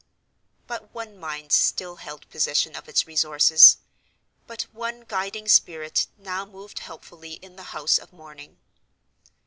But one mind still held possession of its resources—but one guiding spirit now moved helpfully in the house of mourning.